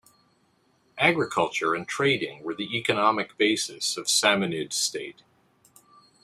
Agriculture and trading were the economic basis of Samanid State.